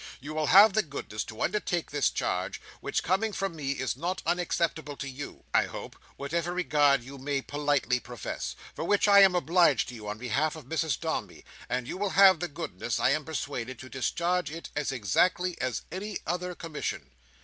You will have the goodness to undertake this charge, which, coming from me, is not unacceptable to you, I hope, whatever regret you may politely profess—for which I am obliged to you on behalf of Mrs Dombey; and you will have the goodness, I am persuaded, to discharge it as exactly as any other commission."